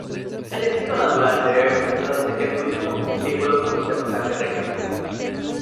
El estilo natural de esta ciudad hace que el turismo ecológico sea bastante requerido.